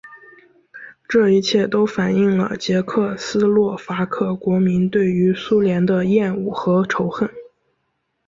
这一切都反映了捷克斯洛伐克国民对于苏联的厌恶和仇恨。